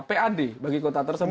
pad bagi kota tersebut